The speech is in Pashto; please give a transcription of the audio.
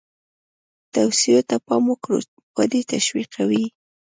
توصیو ته پام وکړو ودې تشویقوي.